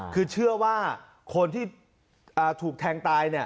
คือเชื่อว่าคนที่ถูกแทงตาย